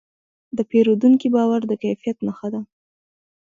د پیرودونکي باور د کیفیت نښه ده.